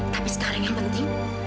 tapi sekarang yang penting